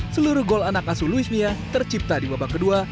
seluruh gol anak asu louis mia tercipta di babak kedua